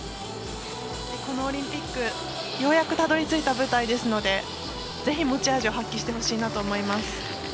このオリンピックようやくたどりついた舞台ですのでぜひ持ち味を発揮してほしいなと思います。